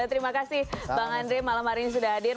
terima kasih bang andre malam hari ini sudah hadir